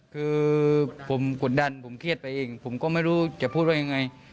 คือผมกดดันผมเครียดไปเองผมก็ไม่รู้จะพูดว่ายังไง